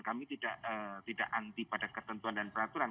kami tidak anti pada ketentuan dan peraturan